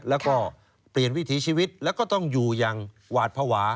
แล้วก็เปลี่ยนวิถีชีวิตแล้วก็ต้องอยู่อย่างหวาดภาวะ